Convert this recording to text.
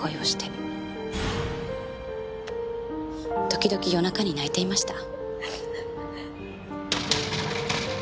時々夜中に泣いていました。